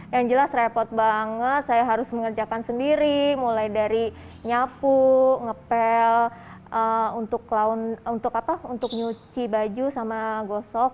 yang jelas repot banget saya harus mengerjakan sendiri mulai dari nyapu ngepel untuk nyuci baju sama gosok